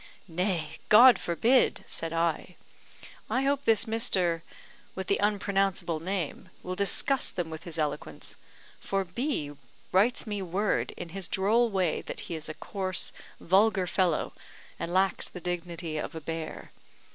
"Nay, God forbid!" said I. "I hope this Mr. , with the unpronounceable name, will disgust them with his eloquence; for B writes me word, in his droll way, that he is a coarse, vulgar fellow, and lacks the dignity of a bear.